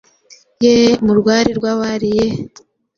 Yeee, mu rwari rw’abari yeee,